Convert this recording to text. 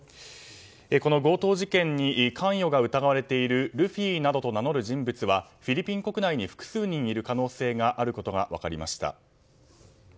強盗事件に関与が疑われているルフィなどと名乗る人物はフィリピン国内に複数人いる可能性があることが分かりました。